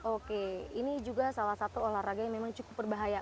oke ini juga salah satu olahraga yang memang cukup berbahaya